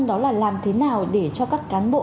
đó là làm thế nào để cho các cán bộ